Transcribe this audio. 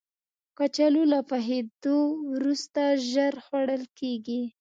کچالو له پخېدو وروسته ژر خوړل کېږي